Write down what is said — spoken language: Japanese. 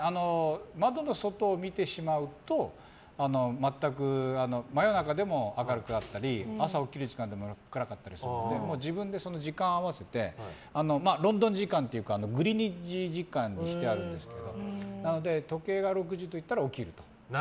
窓の外を見てしまうと全く真夜中でも明るかったり朝起きる時間でも暗かったりするので自分で時間を合わせてロンドン時間というかグリニッジ時間にしてあるのでなので、時計が６時になったら起きると。